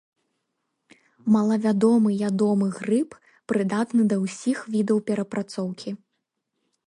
Малавядомы ядомы грыб, прыдатны да ўсіх відаў перапрацоўкі.